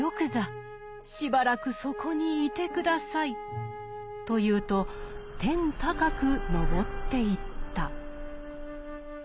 しばらくそこにいて下さい」と言うと天高くのぼっていった。